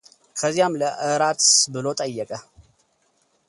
ከዚያም ለእራትስ ብሎ ጠየቀ፡፡